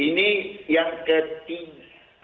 ini yang ketiga